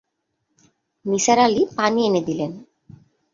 নিসার আলি পানি এনে দিলেন।